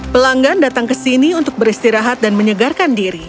pelanggan datang ke sini untuk beristirahat dan menyegarkan diri